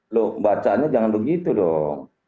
loh bacaannya jangan begitu dong